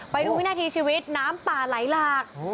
วินาทีชีวิตน้ำป่าไหลหลาก